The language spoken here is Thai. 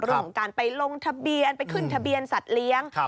เรื่องของการไปลงทะเบียนไปขึ้นทะเบียนสัตว์เลี้ยง